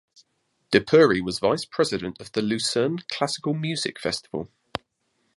De Pury was Vice President of the Lucerne Classical Music Festival.